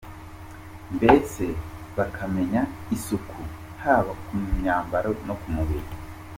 Mbese bakamenya isuku haba ku myambaro no ku mubiri.